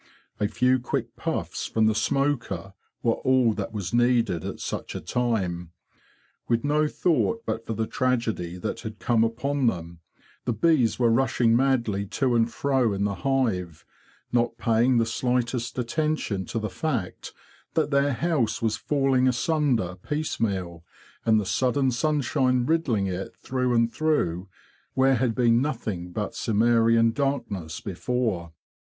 A few quick puffs from the smoker were all that was needed at such a time. With no thought but for the tragedy that had come upon them, the bees were rushing madly to and fro in the hive, not paying the slightest attention to the fact that their house was falling asunder piecemeal and the sudden sunshine riddling it through and through, where had been nothing but Cimmerian darkness before.